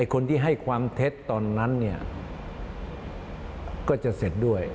คนที่ให้ความเท็จตอนนั้นเนี่ยก็จะเสร็จด้วย